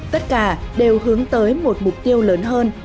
tất cả đều hướng tới một mục tiêu lớn hơn